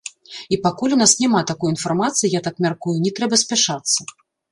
І пакуль у нас няма такой інфармацыі, я так мяркую, не трэба спяшацца.